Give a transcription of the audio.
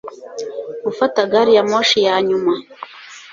gufata gari ya moshi ya nyuma